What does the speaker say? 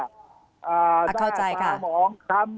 ถ้าอาจารย์มองคำ